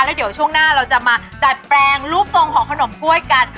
แล้วเดี๋ยวช่วงหน้าเราจะมาดัดแปลงรูปทรงของขนมกล้วยกัน